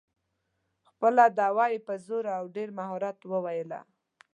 خپله دعوه یې په زور او ډېر مهارت وویله.